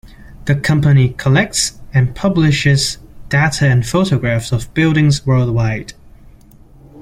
The company collects and publishes data and photographs of buildings worldwide.